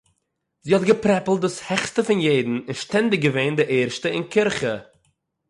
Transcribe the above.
זי האָט געפּרעפּלט דאָס העכסטע פון יעדן און שטענדיג געווען די ערשטע אין קירכע